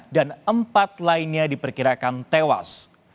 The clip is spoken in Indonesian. dan empat lainnya diperkirakan tewas